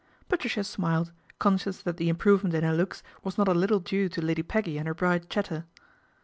Patricia smiled, conscious that the improve lent in her looks was not a little due to Lady 'eggy and her bright chatter.